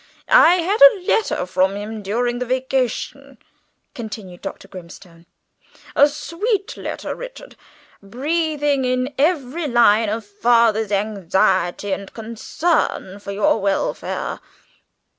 "I had a letter from him during the vacation," continued Dr. Grimstone, "a sweet letter, Richard, breathing in every line a father's anxiety and concern for your welfare."